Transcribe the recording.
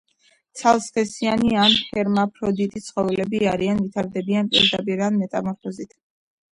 ცალსქესიანი ან ჰერმაფროდიტი ცხოველები არიან, ვითარდებიან პირდაპირ ან მეტამორფოზით.